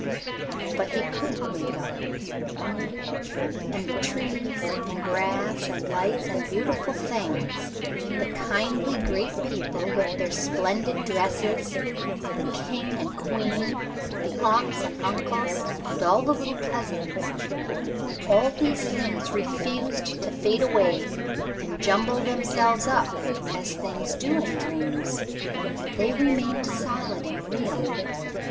But he couldn't wake up. And the trees and grass and lights and beautiful things, the kindly great people with their splendid dresses, the King and Queen, the aunts and uncles and the little cousins all these things refused to fade away and jumble themselves up as things do in dreams. They remained solid and real.